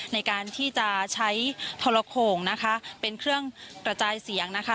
ในการที่จะใช้ทรโขงนะคะเป็นเครื่องกระจายเสียงนะคะ